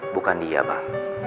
bukan dia pak